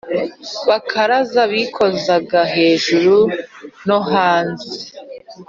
bakaraza bikozaga hejuru no hanze